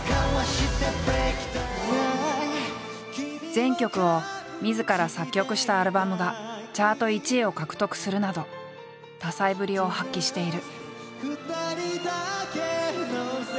全曲をみずから作曲したアルバムがチャート１位を獲得するなど多才ぶりを発揮している。